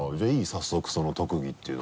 早速その特技っていうの。